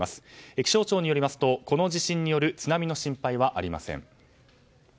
気象庁によりますとこの地震による津波の心配はありません。